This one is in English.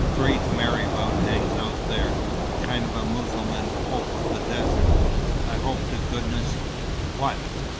Great marabout hangs out there kind of Mussulman pope of the desert. I hope to goodness " "What?"